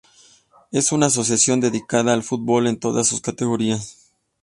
Es una Asociación dedicada al Fútbol en todas sus categorías.